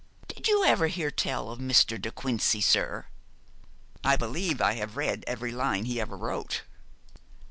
Did you ever hear tell o' Mr. de Quincey, sir?' 'I believe I have read every line he ever wrote.'